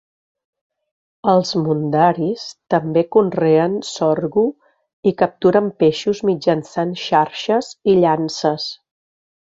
Els mundaris també conreen sorgo i capturen peixos mitjançant xarxes i llances.